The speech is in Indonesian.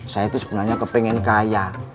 saya itu sebenarnya kepengen kaya